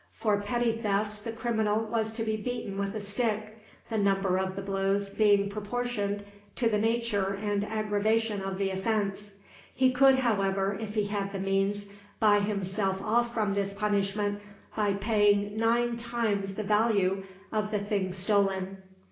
For petty thefts the criminal was to be beaten with a stick, the number of the blows being proportioned to the nature and aggravation of the offense. He could, however, if he had the means, buy himself off from this punishment by paying nine times the value of the thing stolen.